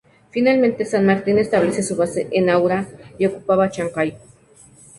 Finalmente, San Martín establece su base en Huaura y ocupaba Chancay.